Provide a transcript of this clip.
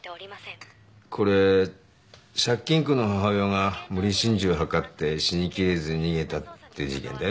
これ借金苦の母親が無理心中図って死にきれず逃げたって事件だよね。